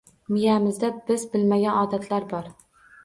Miyamizda biz bilmagan “odatlar” bor.